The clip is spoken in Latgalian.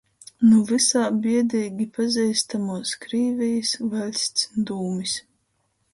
Nu vysā biedeigi pazeistamuos Krīvejis vaļsts dūmis.